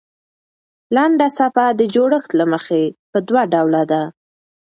لنډه څپه د جوړښت له مخه پر دوه ډوله ده.